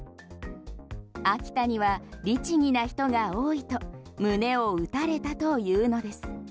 秋田には律儀な人が多いと胸を打たれたというのです。